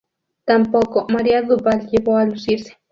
Tampoco María Duval llevó a lucirse.